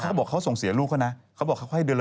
ถ้าคุณผมเสียลูกค่ะนะเขาก็บอกให้เดือนละ๑๑๒๐๐